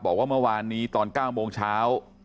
บอกว่าเมื่อวานนี้ตอน๙โมงเช้า